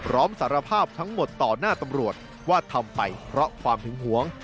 พร้อมสารภาพทั้งหมดต่อหน้าตำรวจว่าทำไปเพราะความหึงหวง